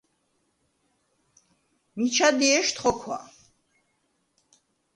მიჩა დიეშდ ხოქვა: